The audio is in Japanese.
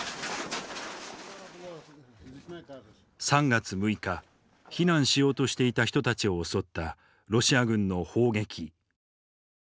３月６日避難しようとしていた人たちを襲ったロシア軍の砲撃。